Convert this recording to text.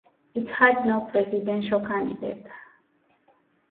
It had no presidential candidate.